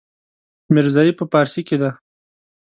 ميرزايي په پارسي کې ده.